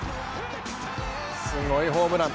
すごいホームラン。